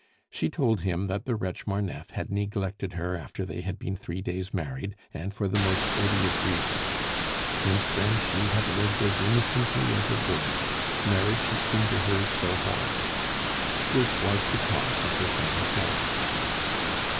She told him that the wretch Marneffe had neglected her after they had been three days married, and for the most odious reasons. Since then she had lived as innocently as a girl; marriage had seemed to her so horrible. This was the cause of her present melancholy.